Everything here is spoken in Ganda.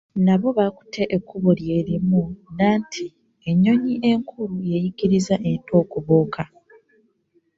Nabo bakutte ekkubo lye limu anti, "ennyonyi enkulu yeeyiriza ento okubuuka."